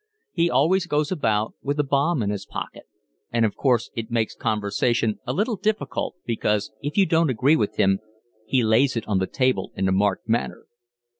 He always goes about with a bomb in his pocket, and of course it makes conversation a little difficult because if you don't agree with him he lays it on the table in a marked manner."